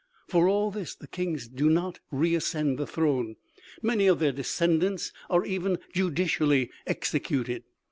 For all this the kings do not re ascend the throne. Many of their descendants are even judicially executed.